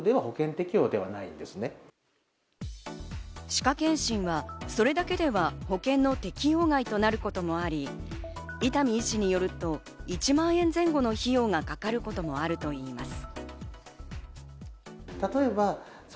歯科健診はそれだけでは保険の適用外となることもあり、伊丹氏によると、１万円前後の費用がかかることもあるといいます。